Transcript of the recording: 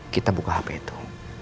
kita buka hp itu